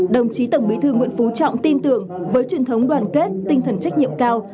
đồng chí tổng bí thư nguyễn phú trọng tin tưởng với truyền thống đoàn kết tinh thần trách nhiệm cao